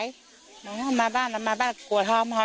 พี่ต้องกลัวเท้ามาบ้านมาบ้านเขาเร่งกะ